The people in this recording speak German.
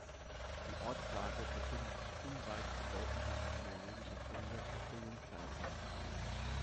Die Ortslage befindet sich unweit bedeutender archäologischer Funde aus der Jungsteinzeit.